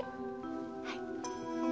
はい。